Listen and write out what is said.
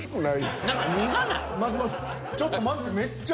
ちょっと待って。